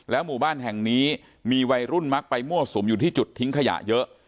หมู่บ้านแห่งนี้มีวัยรุ่นมักไปมั่วสุมอยู่ที่จุดทิ้งขยะเยอะ